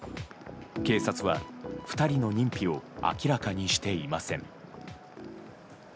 決勝は２人の認否を明らかにしていません。